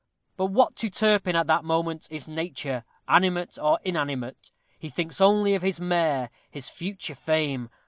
But what to Turpin, at that moment, is nature, animate or inanimate? He thinks only of his mare his future fame.